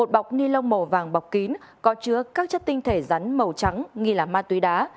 một bọc ni lông màu vàng bọc kín có chứa các chất tinh thể rắn màu trắng nghi là ma túy đá